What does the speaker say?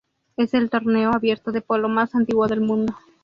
Es el torneo abierto de polo más antiguo del mundo.